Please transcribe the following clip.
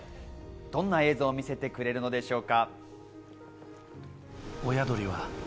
どんな映像を見せてくれるのでしょうか？